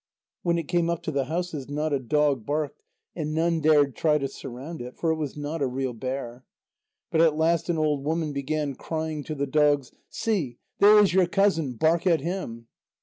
When it came up to the houses, not a dog barked, and none dared try to surround it, for it was not a real bear. But at last an old woman began crying to the dogs: "See, there is your cousin bark at him!"